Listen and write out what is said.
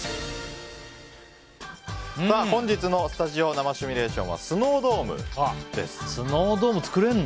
本日のスタジオ生趣味レーションはスノードームです。